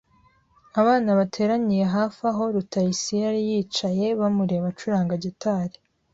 Abana bateraniye hafi aho Rutayisire yari yicaye bamureba acuranga gitari.